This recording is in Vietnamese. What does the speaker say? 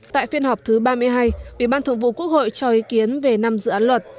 tại phiên họp thứ ba mươi hai ủy ban thường vụ quốc hội cho ý kiến về năm dự án luật